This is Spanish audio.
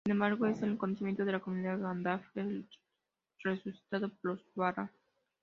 Sin embargo, sin el conocimiento de la Comunidad, Gandalf es resucitado por los Valar.